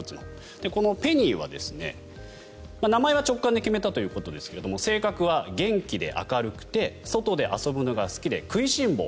この「Ｐｅｎｎｙ」は、名前は直感で決めたということですが性格は元気で明るくて外で遊ぶのが好きで食いしん坊。